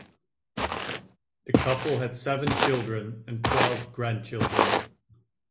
The couple had seven children and twelve grandchildren.